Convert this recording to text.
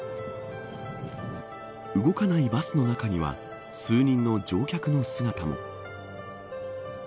動かないバスの中には数人の乗客の姿も。